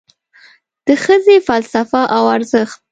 د ښځې فلسفه او ارزښت